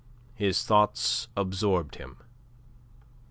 His thoughts absorbed him.